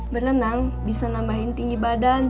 berenang bisa nambahin tinggi badan